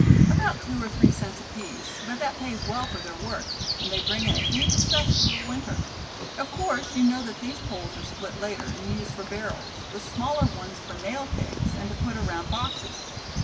"About two or three cents apiece, but that pays well for their work, and they bring in a heap of stuff through a winter. Of course, you know that these poles are split later, and used for barrels, the smaller ones for nail kegs, and to put around boxes.